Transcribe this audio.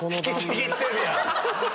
引きちぎってるやん！